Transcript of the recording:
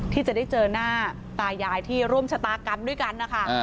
ที่จะได้เจอหน้าตายายที่ร่วมชะตากรรมด้วยกันนะคะ